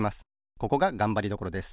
ここががんばりどころです。